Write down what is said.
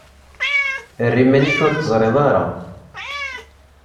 Err iman-ik ur t-teẓṛiḍ ara.